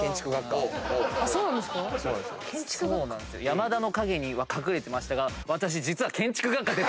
山田の陰に隠れてましたが私実は。